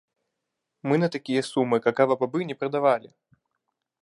Мы на такія сумы какава-бабы не прадавалі!